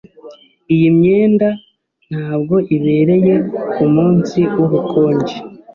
Iyi myenda ntabwo ibereye kumunsi wubukonje.